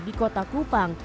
di kota kupang